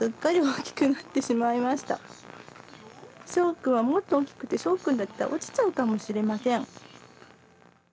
くんはもっと大きくてしょうくんだったら落ちちゃうかもしれません。